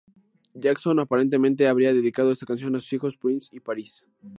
Jackson aparentemente habría dedicado esta canción a sus hijos Prince y Paris.